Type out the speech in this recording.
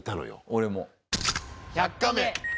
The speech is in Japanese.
俺も。